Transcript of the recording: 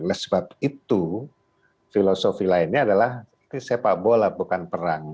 oleh sebab itu filosofi lainnya adalah sepak bola bukan perang